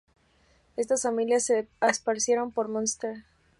Estas familias se esparcieron por Munster.